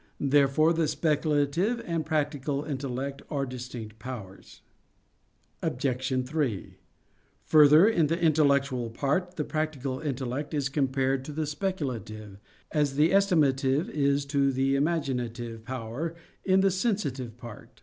Therefore the speculative and practical intellect are distinct powers. Obj. 3: Further, in the intellectual part, the practical intellect is compared to the speculative, as the estimative is to the imaginative power in the sensitive part.